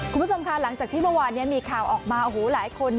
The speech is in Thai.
คุณผู้ชมค่ะหลังจากที่เมื่อวานนี้มีข่าวออกมาโอ้โหหลายคน